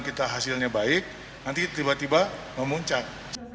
kita hasilnya baik nanti tiba tiba memuncak